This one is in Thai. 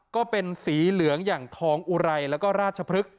ก็เป็นสีเหลืองอย่างทองอุรัยเอาและราชพฤกษ์